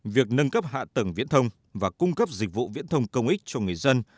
việc nâng cấp hạ tầng viễn thông và cung cấp dịch vụ viễn thông công ích cho người dân